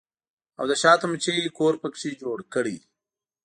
او د شاتو مچۍ کور پکښې جوړ کړي